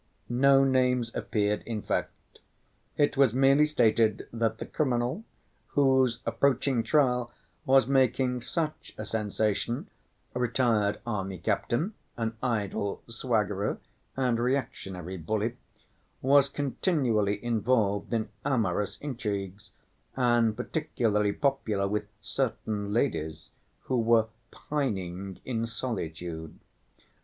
No names appeared, in fact. It was merely stated that the criminal, whose approaching trial was making such a sensation—retired army captain, an idle swaggerer, and reactionary bully—was continually involved in amorous intrigues, and particularly popular with certain ladies "who were pining in solitude."